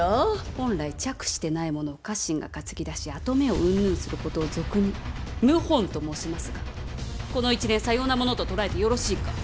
本来嫡子でないものを家臣が担ぎ出し跡目をうんぬんすることを俗に謀反と申しますがこの一連さようなものと捉えてよろしいか！